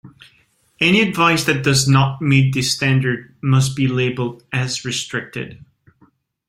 Any advice that does not meet this standard must be labelled as restricted.